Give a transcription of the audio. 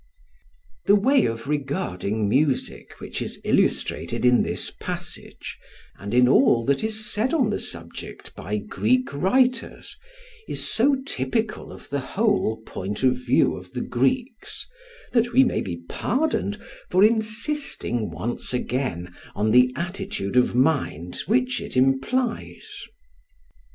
] The way of regarding music which is illustrated in this passage, and in all that is said on the subject by Greek writers, is so typical of the whole point of view of the Greeks, that we may be pardoned for insisting once again on the attitude of mind which it implies.